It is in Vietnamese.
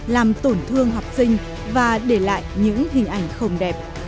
làm tổn thương học sinh và để lại những hình ảnh không đẹp